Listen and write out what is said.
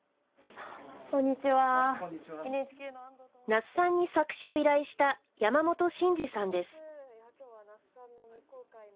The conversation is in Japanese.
那須さんに作詞を依頼した山本真治さんです。